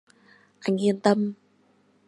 Anh yên tâm